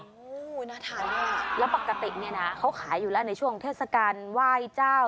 โอ้น่าทายอ่ะแล้วปกติเนี่ยนะเขาขายอยู่แล้วในช่วงเทศกรรมว่ายเจ้า